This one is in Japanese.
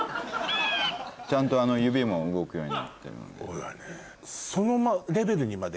ちゃんと指も動くようになってるんで。